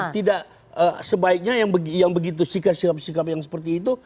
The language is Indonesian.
tidak sebaiknya yang begitu sikap sikap yang seperti itu